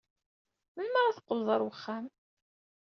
Melmi ara teqqled ɣer uxxam?